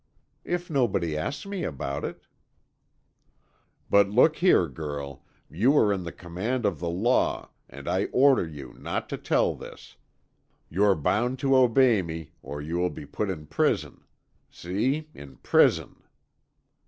"If nobody asks me about it." "But look here, girl, you are in the command of the law, and I order you not to tell this. You're bound to obey me, or you will be put in prison. See, in prison!"